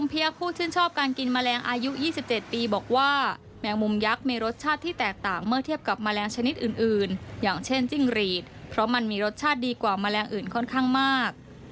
แมลงอายุ๒๗ปีบอกว่าแมงมุมยักษ์มีรสชาติที่แตกต่างเมื่อเทียบกับแมลงชนิดอื่นอย่างเช่นจิ้งหรีดเพราะมันมีรสชาติดีกว่าแมลงอื่นค่อนข้างมาก